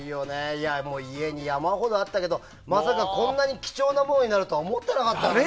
家に山ほどあったけどまさかこんなに貴重なものになるとは思ってなかったよね。